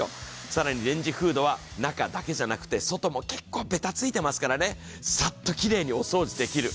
さらにレンジフードは中だけじゃなくて外も結構べたついていますから、さっときれいにお掃除できる。